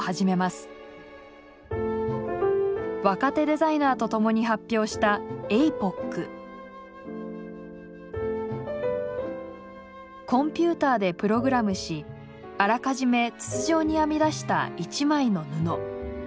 若手デザイナーと共に発表したコンピューターでプログラムしあらかじめ筒状に編み出した「一枚の布」。